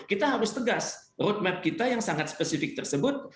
kita harus tegas roadmap kita yang sangat spesifik tersebut